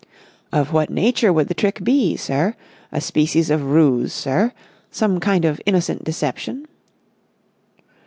"Of what nature would the trick be, sir? A species of ruse, sir,—some kind of innocent deception?"